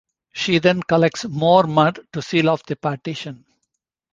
She then collects more mud to seal off the partition.